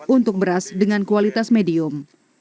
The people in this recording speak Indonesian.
untuk beras dengan kualitas medium